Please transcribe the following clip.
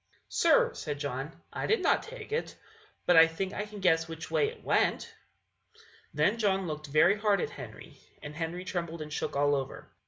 "Sir," said John, "I did not take it, but I think I can guess which way it went." Then John looked very hard at Henry, and Henry trembled and shook all over.